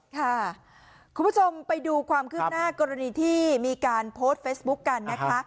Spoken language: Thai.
คุณผู้ชมไปดูความคืบหน้ากรณีที่มีการโพสต์เฟซบุ๊คกันนะคะ